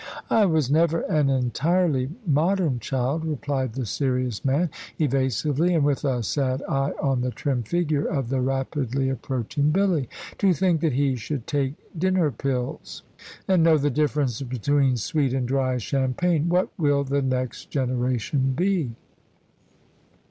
"I was never an entirely modern child," replied the serious man, evasively, and with a sad eye on the trim figure of the rapidly approaching Billy. "To think that he should take dinner pills, and know the difference between sweet and dry champagne! What will the next generation be?"